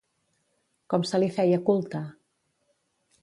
Com se li feia culte?